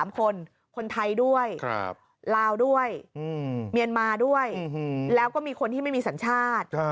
๓คนคนไทยด้วยลาวด้วยเมียนมาด้วยแล้วก็มีคนที่ไม่มีสัญชาติ